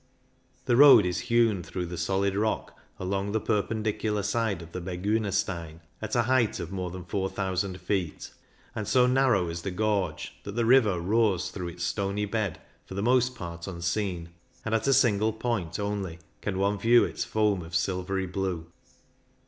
The road is hewn through the solid rock along the perpen dicular side of the Berguner Stein at a height of more than four thousand feet, and so narrow is the gorge that the river roars through its stony bed for the most part unseen, and at a single point only can one view its foam of silvery blue.